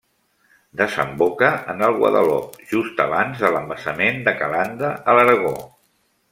Desemboca en el Guadalop just abans de l'embassament de Calanda a l'Aragó.